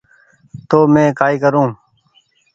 تونٚ مينٚ ڪآئي ڪرون